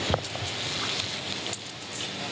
โปรดติดตามตอนต่อไป